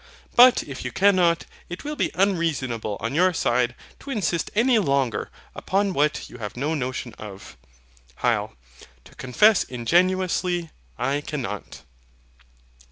But if you cannot, it will be unreasonable on your side to insist any longer upon what you have no notion of. HYL. To confess ingenuously, I cannot.